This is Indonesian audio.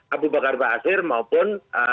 abu bakar basir maupun